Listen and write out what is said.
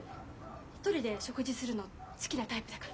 一人で食事するの好きなタイプだから。